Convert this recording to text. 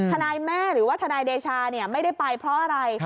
ทนายแม่หรือว่าทนายเดชาไม่ได้ไปเพราะอะไร